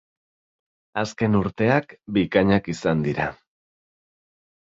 Azken urteak bikainak izan dira.